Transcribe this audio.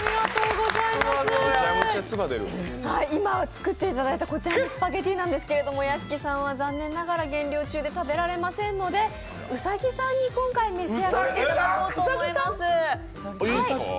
今作っていただいたこちらのスパゲッティですけれども、屋敷さんは残念ながら減量中で食べられませんので兎さんに今回召し上がってもらおうと思います。